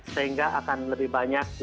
sehingga akan lebih banyak duit manajemen